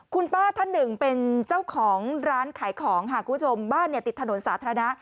คุณป้าท่านหนึ่งเป็นเจ้าของร้านขายของค่ะคุณผู้ชมบ้านเนี่ยติดถนนสาธารณะ